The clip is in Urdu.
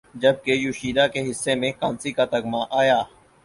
جبکہ یوشیدا کے حصے میں کانسی کا تمغہ آیا